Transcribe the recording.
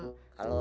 nggak ada apa apa